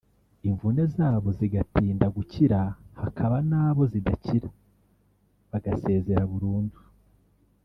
imvune zabo zigatinda gukira hakaba n’abo zidakira bagasezera burundu